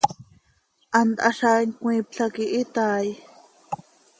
¿Hant hazaain cmiipla quih itaai?